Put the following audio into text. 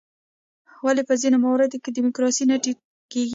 ولې په ځینو مواردو کې ډیموکراسي نه ټینګیږي؟